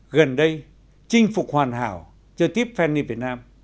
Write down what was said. gần đây chinh phục hoàn hảo chơi tiếp fanny việt nam